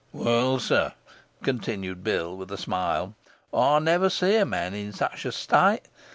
Well, sir,' continued Bill, with a smile, 'I never see a man in such a state.